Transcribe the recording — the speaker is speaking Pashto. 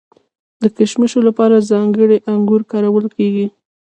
د کشمشو لپاره ځانګړي انګور کارول کیږي.